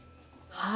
はい。